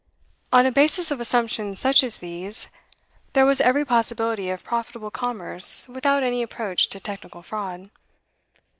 On a basis of assumptions such as these, there was every possibility of profitable commerce without any approach to technical fraud.